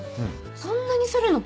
そんなにするの？